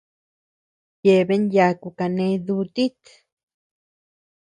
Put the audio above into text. Yeabean yaku kané dutit.